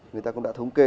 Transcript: người ta cũng đã thống kê